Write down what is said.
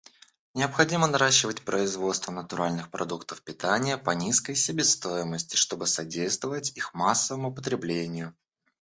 Необходимо наращивать производство натуральных продуктов питания по низкой себестоимости, чтобы содействовать их массовому потреблению.